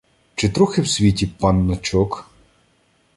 Чи трохи в світі панночок?